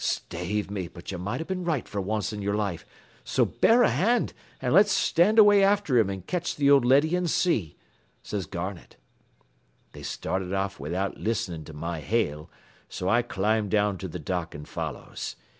"'Stave me, but ye might have been right for onct in yer life, so bear a hand an' let's stand away after him an' ketch th' old leddy an' see,' says Garnett. "They started off without listenin' to my hail, so I climbed down to th' dock an' follows.